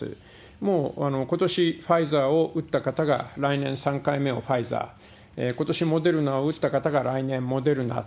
もうことしファイザーを打った方が来年３回目をファイザー、ことしモデルナを打った方が来年モデルナ。